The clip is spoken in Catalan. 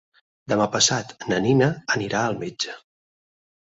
Demà passat na Nina anirà al metge.